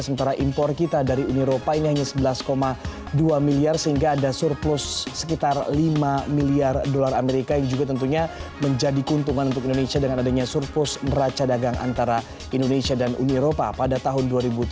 sementara impor kita dari uni eropa ini hanya sebelas dua miliar sehingga ada surplus sekitar lima miliar dolar amerika yang juga tentunya menjadi keuntungan untuk indonesia dengan adanya surplus neraca dagang antara indonesia dan uni eropa pada tahun dua ribu tujuh belas